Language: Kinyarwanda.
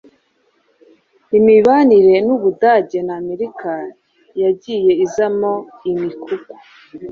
Imibanire y'Ubudage na Amerika yagiye izamo imikuku